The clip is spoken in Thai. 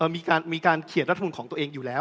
มีการเขียนรัฐมนุนของตัวเองอยู่แล้ว